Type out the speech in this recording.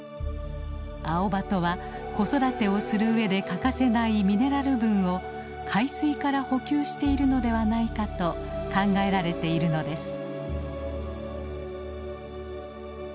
アオバトは子育てをするうえで欠かせないミネラル分を海水から補給しているのではないかと考えられているのです。